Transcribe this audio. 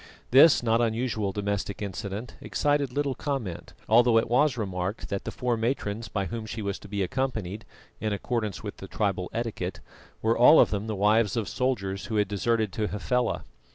This not unusual domestic incident excited little comment, although it was remarked that the four matrons by whom she was to be accompanied, in accordance with the tribal etiquette, were all of them the wives of soldiers who had deserted to Hafela.